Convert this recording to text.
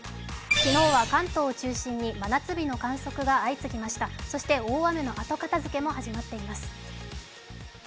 昨日は関東を中心に真夏日の観測が相次ぎましたそして大雨の後片づけも始まっています。